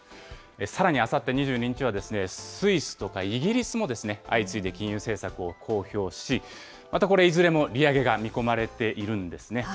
さらにあさって２２日は、スイスとかイギリスも、相次いで金融政策を公表し、またこれ、いずれも利上げが見込まれているんですね。